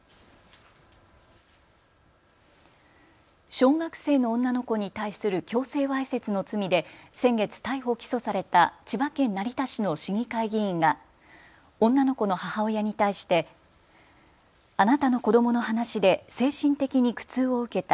小学生の女の子に対する強制わいせつの罪で先月、逮捕・起訴された千葉県成田市の市議会議員が女の子の母親に対してあなたの子どもの話で精神的に苦痛を受けた。